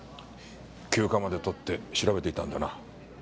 休暇まで取って調べていたんだな？